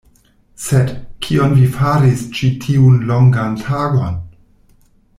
Sed, kion vi faris ĉi tiun longan tagon?